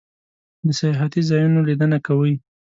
د سیاحتی ځایونو لیدنه کوئ؟